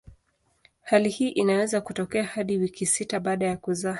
Hali hii inaweza kutokea hadi wiki sita baada ya kuzaa.